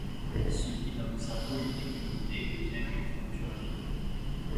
Ce qui dans le cerveau n’était qu’une idée devient une créature animée.